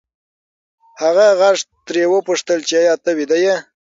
هغه غږ ترې وپوښتل چې ایا ته ویده یې؟